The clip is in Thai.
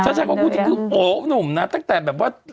ค่ะอ่ะคู่จิ้นคือโอ้หนุ่มนะตั้งแต่แบบว่า